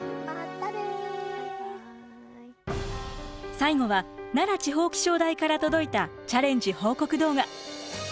最後は奈良地方気象台から届いたチャレンジ報告動画。